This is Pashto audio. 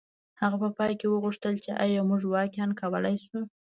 هغه په پای کې وپوښتل چې ایا موږ واقعیا کولی شو